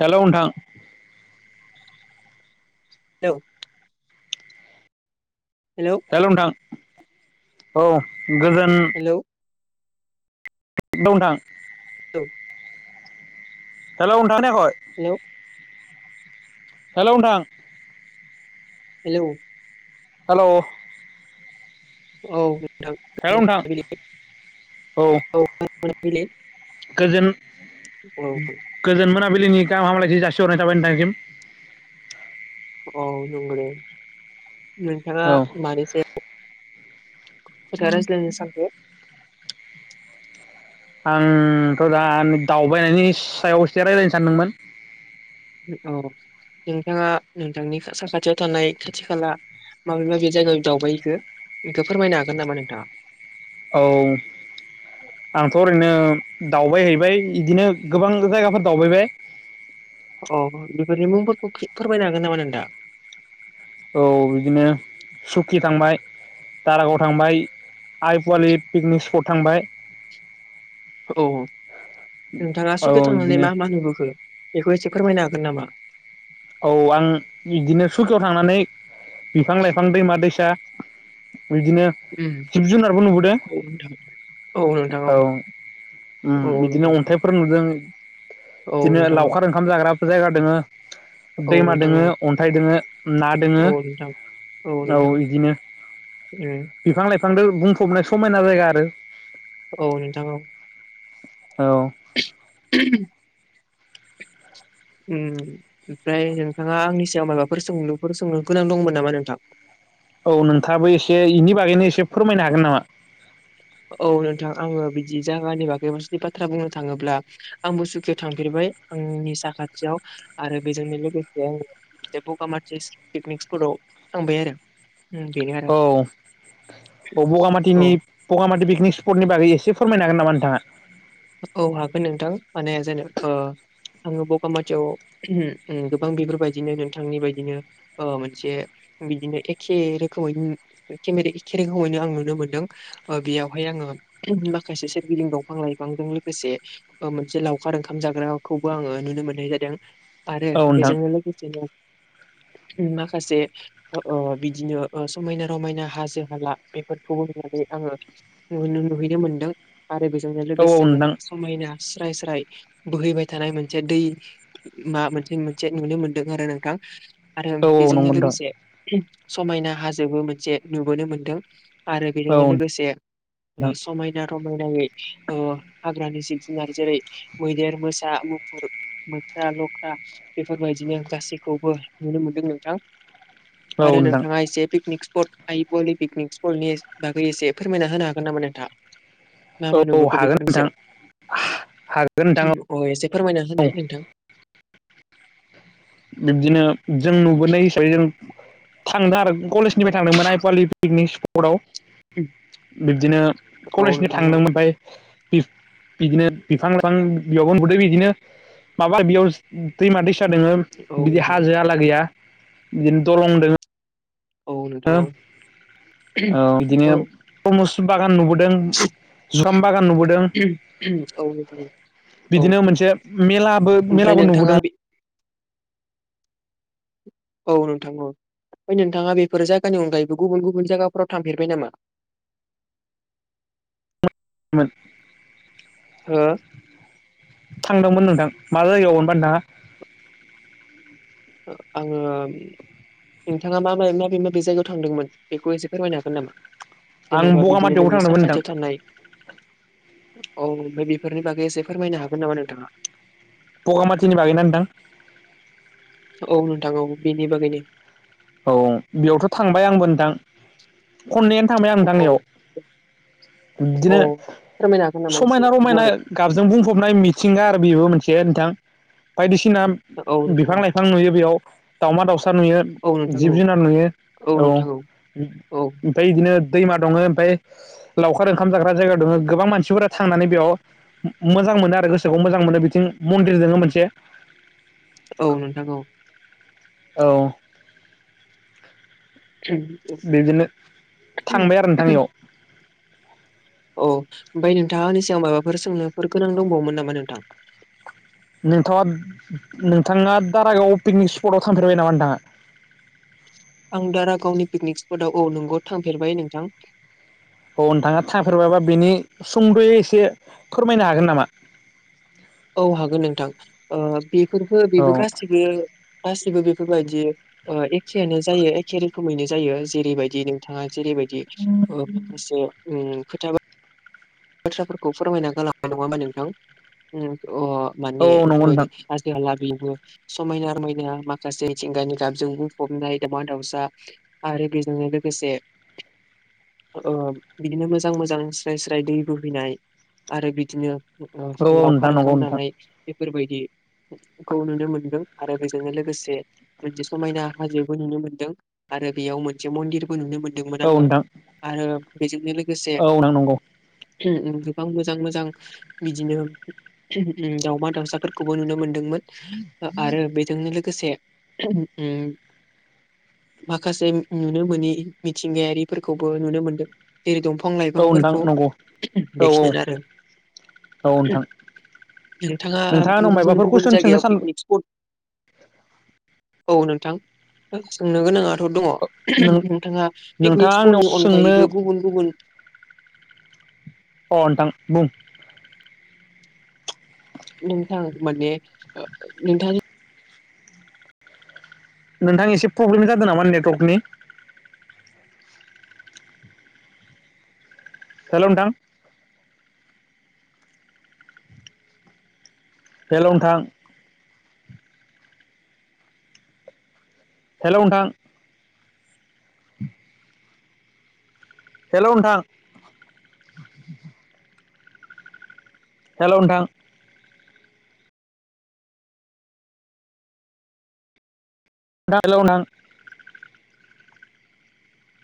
हेल' नोंथां hello hello हेल' नोंथां औ गोजोन हेलौ हेलौ नोंथां। औ। हेलौ नोंथां खोनायाखै? हेलौ हेल' नोंथां। हेलौ हेल' औ औ नोंथां औ [unintelligible] गोजोन औ गोजोन मोना बिलिनि गाहाम हामलायथि जासिहरनाय थाबाय नोंथांसिम। औ नंगौदे नोंथाङा औ मानि सायाव खोथा रायज्लायनो सानदों? आंथ' दा दावबायनायनि सायाव एसे रायज्लायनो सानदोंमोन। औ नोंथाङा नोंथांनि साखाथियाव थानाय खाथि खाला माबे माबे जायगायाव दावबायहैखो बेखौ फोरमायनो हागोन नामा नोंथाङा? औ आंथ' ओरैनो दावबायहैबाय इदिनो गोबां जायगाफोर दावउबायबाय। अ बेफोरनि मुंफोरखौ फोरमायनो हागोन नामा नोंथाङा? औ बिदिनो सुखि थांबाय दारागाव थांबाय आइ फवालि पिकनिक स्पट थांबाय। औ नोंथाङा औ सुखे थांनानै इदिनो मा मा नुबोखो बेखौ एसे फोरमायनो हागोन नामा? औ आं बिदिनो सुकियाव थांनानै बिफां लाइफां, दैमा दैसा बिदिनो उम जिब जुनारबो नुबोदों औ नोंथां औ नोंथां औ। उ औ बिदिनो नोंथां अन्थाइफोर नुदों। औ बिदिनो नोंथां औ लावखार ओंखाम जाग्राबो जायगा दङो। औ दैमा नोंथां दोङो औ अन्थाइ दोङो ना दोङो औ नोंथां औ बिदिनो। ए [inaudible] फांदो बुंफबनाय समायना जायगा आरो। औ नोंथां औ। औ [inaudible] ओमफ्राय नोंथाङा आंनि सायाव माबाफोर सोंलुफोर सोंनो गोनां दंमोन नामा नोंथां? औ नोंथाङाबो एसे एनि बागैनो एसे फोरमायनो हागोन नामा? औ नोंथां आङो बि दि जागानि बागै जुदि बाथ्रा बुंनो थाङोब्ला आंबो सुखियाव थांफेरबाय आंनि साखाथियाव। आरो बेजोंनो लोगोसे आं बे बगामाथि पिकनिक स्पटाव थांबाय आरो। उम, बेनो आरो औ औ औ बगामाथिनि बगामाथि पिक निक स्पटनि बागै एसे फोरमायनो हागोन नामा नोंथाङा? औ हागोन नोंथां माने जेने ओ आङो बगामाथियाव गोबां बेफोरबायदिनो नोंथांनि बायदिनो ओ मोनसे बिदिनो एखे रोखोमै एखे रोखोमैनो आं नुनो मोनदों बेयावहाय आङो माखासे सोरगिदिं दंफां लाइ फांजों लोगोसे सा मोनसे लावखार ओंखाम जाग्राखौबो आङो नुनो मोननाय जादों। आरो औ नोंथां बेजोंनो लोगोसेनो माखासे ओ बिदिनो ओ समायना रमायना हाजो हाला बेफोरखौबो आङो नु नुहैनो मोनदों आरो बेजोंनो औ औ लोगोसेनो नोंथां समायना स्राय स्राय बोहैबाय थानाय मोनसे दै मा मोनसे मोनसे नुनो मोनदों आरो नोंथां। आरो औ औ बेजोंनो नंगौ नोंथां लोगोसे समायना हाजोबो मोनसे नुबोनो मोनदों आरो औ बेजोंनो लोगोसे नोंथां समायना रमायनायै ओ हाग्रानि जिब जुनार जेरै मैदेर मोसा मुफुर मोख्रा लख्रा बे बेबायदिनो गासैखौबो नुनो मोनदों नोंथां औ आरो नोंथां नोंथाङा एसे पिकनिक ि स नि बागै एसे फोरमायना होनो हागोन नामा नोंथां मा मा नुबो औ [unintelligible] हागोन बेफोरनि नोंथां सायाव हागोन नोंथां अ एसे फोरमायना औ होनाय नोंथां बिब्दिनो जों नुबोनाय हिसाबै जों थांदों आरो कलेजनिफ्राय थांदोंमोन आइपवालि पिकनिक स्पटआव उम, बिब्दिनो औ कलेजनि नोंथां औ थांदोंमोन ओमफाय बिब बिदिनो बिफां लाइफां बियावबो उन्दुदो बिदिनो माबा बेयाव दैमा दैसा दङ औ बिदि नोंथां औ हाजो आला गैया बिदिनो दलं दङ औ नोंथां ओ औ बिदिनो औ प्रमस् बागान नुबोदों जुखाम बागान नुबोदों औ औ बिदिनो मोनसे मेलाबो ओमफ्राय मेलाबो नोंथाङा नुबोदों बे औ नोंथां औ ओमफाय नोंथाङा बेफोर जायगानि अनगायैबो गुबुन गुबुन जायगाफोराव थांफेरबाय नामा [inaudible] हो थांदोंमोन नोंथां मा जायगायाव मोनबा नोथांआ आङो नोंथाङा मा माबे माबे जायगायाव थांदोंमोन बेखौ एसे फोरमायनो हागोन नामा आं जेन'बा बिदिनो बगामाथियावबो जोंनि थांदोंमोन नोंथां साखाथियाव थानाय औ ब बेफोरनि बागै एसे फोरमायनो हागोन नामा नोंथाङा बगामाथिनि बागैना नोंथां औ नोंथां औ बेनि बागैनो औ बेयावथ' थांबाय आंबो नोंथां खननैआनो थांबाय आं नोंथां औ नैयाव औ बिदिनो फोरमायनो हागोन नामा एसे समायना रमायना गुवारै गाबजों बुंफबनाय मिथिंगा आरो बेबो मोनसे जे नोंथां बायदिसिना औ नोंथां बिफां औ लाइफां नुयो बेयाव दाावमा दाउसा नुयो औ नोंथां जिब औ जुनार नुयो औ उम औ ओमफ्राय बिदिनो दैमा दङ ओमफाय लावखार ओंखाम जाग्रा जायगा दङ गोबां मानसिफोरा थांनानै बेयाव मोजां मोनो आरो गोसोखौ मोजां मोनो बिथिं मन्दिर दोङो मोनसे औ नोंथां औ औ बिदिनो थांबाय आरो नोथां इयाव औ ओमफ्राय नोंथाङा आंनि सायाव माबाफोर सोंनो गोनां दंबावोमोन नामा नोंथां नोंथाङा नोंथांना दारागाव पिकनिक स्पटआव थांफेरबाय नामा नोंथाङा आं दारागावनि पिकनिक स्पटआव औ नंगौ थांफेरबाय नोंथां औ नोंथाङा थाफेरबाबा बेनि सुंद'यै एसे फोरमायनो हागोन नामा औ हागोन नोंथां ओ बेफोरफोरखौ औ बेबो गासिबो गासैबो बेफोरबायदि ओ एखेयानो जायो एखे रोखोमैनो जायो जेरैबायदि नोंथाङा जेरैबायदिस ओ एसे उम खोथा बा [inaudible] बाथ्राफोरखौ फोरमायना गलाांनाय नङा होमा नोंथां अ औ माने औ नंगौ बेफोरबायदि नोंथां हाजो हाला समायना रमायना माखासे मिथिंगानि गाबजों बुंफबनाय दावउमा दाउसा आरो बेजों लोगोसे [inaudible] ओ बिदिनो मोजां मोजां स्राय स्राय दै बोहैनाय आरो बिदिनो औ नोंथां लावखार नंगौ ओंखाम नोंथां जानाय बेफोरबायदि- खौ नुनो मोनदों आरो बेजोंनो लोगोसे मोनसे समायना हाजोबो नुनो मोनदों। आरो बेयाव मोनसे मन्दिरबो नुनो मोनदोंमोन औ आङो नोंथां आरो बेजोंनो लोगोसे औ नं नंगौ। गोबां मोजां मोजां बिदिनो दावमा दावसाफोरखौबो नुनो मोन दोंमोन आरो बेजोंनो लोगोसे माखासे नुनो मोनि मिथिंगायारिफोरखौबो नुनो मोनदों। जेरै दंफां औ नोंथां लाइफांफोरखौ नंगौ औ बेखिनियानो आरो औ नोंथां नोंथाङा आंनाव गुबुन मायबाफोर गुबुन कुइसन सोंनो जायगायाव सान पिकनिक स्पट औ नोंथां सोंनो गोनाङाथ' दङ। नोंथाङा नोंथाङा पिकनिक आंनाव स्पटनि सोंनो अनगायैबो गुबुन गुबुन अ नोंथां बुं। नोंथां माने नोंथां। नोंथां एसे प्रब्लेम जादों नामा नेटवर्कनि? हेल' नोंथां। हेलं थां। हेल' नोंथां। उ हेल' नोंथां। हेल' नोंथां। [unintelligible]